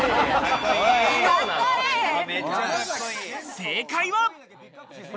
正解は。